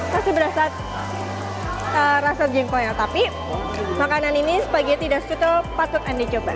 masih berasa rasanya jengkolnya tapi makanan ini spagetti dan skutel patut anda coba